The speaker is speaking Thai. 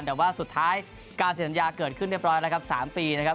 แต่ว่าสุดท้ายการเซ็นสัญญาเกิดขึ้นเรียบร้อยแล้วครับ๓ปีนะครับ